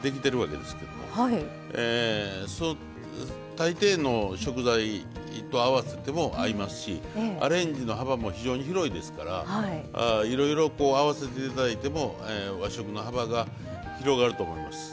大抵の食材と合わせても合いますしアレンジの幅も非常に広いですからいろいろ合わせていただいても和食の幅が広がると思います。